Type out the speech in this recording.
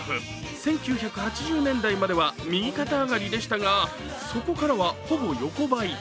１９８０年代までは右肩上がりでしたがそこからはほぼ横ばい。